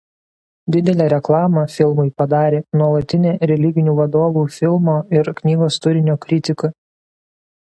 Didelę reklamą filmui padarė nuolatinė religinių vadovų filmo ir knygos turinio kritika.